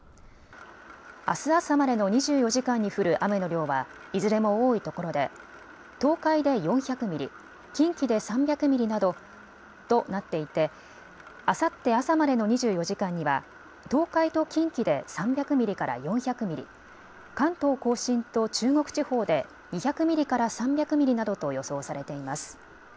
あす朝までの２４時間に降る雨の量はいずれも多いところで東海で４００ミリ、近畿で３００ミリなどとなっていてあさって朝までの２４時間には東海と近畿で３００ミリから４００ミリ、関東甲信と中国地方で２００ミリから３００ミリなどと予想されています。